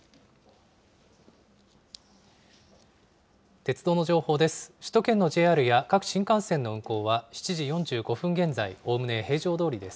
鉄道の情報です。